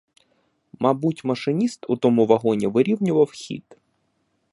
Мабуть, машиніст у тому вагоні вирівнював хід.